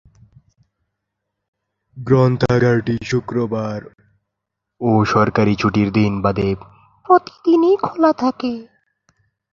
গ্রন্থাগারটি শুক্রবার ও সরকারি ছুটির দিন বাদে প্রতিদিনই খোলা থাকে।